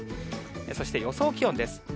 そして予想気温です。